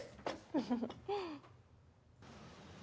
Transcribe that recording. フフフ。